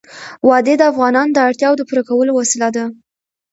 وادي د افغانانو د اړتیاوو د پوره کولو وسیله ده.